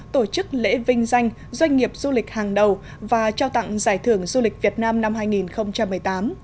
tổ chức lễ vinh danh doanh nghiệp du lịch hàng đầu và trao tặng giải thưởng du lịch việt nam năm hai nghìn một mươi tám